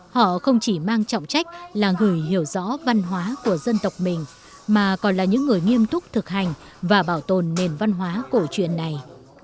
họ không chỉ mang trọng trách là người hiểu rõ văn hóa của dân tộc mình mà còn là những người nghiêm túc thực hành và bảo tồn nền văn hóa cổ truyền này